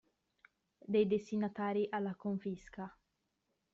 Dei destinatari alla confisca.